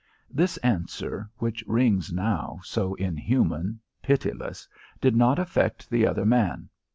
This answer, which rings now so inhuman, pitiless, did not affect the other man.